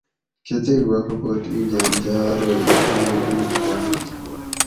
کۤتیک وخہ پت اِیں گھاۤن جاۤ ارو اِیں پنہ اُوٹ گات